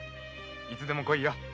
いつでも来いよ。